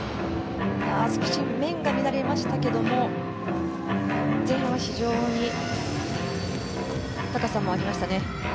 面が乱れましたけども前半は非常に高さもありましたね。